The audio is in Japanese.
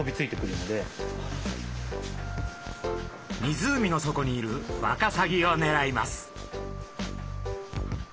湖の底にいるワカサギをねらいます。